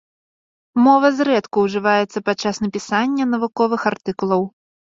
Мова зрэдку ужываецца падчас напісання навуковых артыкулаў.